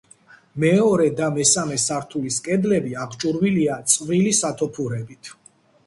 მეორე და მესამე სართულის კედლები აღჭურვილია წვრილი სათოფურებით.